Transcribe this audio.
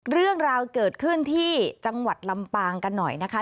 เรื่องราวเกิดขึ้นที่จังหวัดลำปางกันหน่อยนะคะ